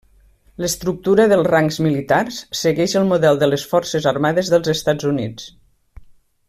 L'estructura dels rangs militars, segueix el model de les Forces Armades dels Estats Units.